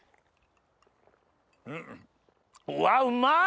うわうまい！